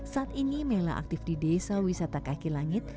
saat ini mela aktif di desa wisata kaki langit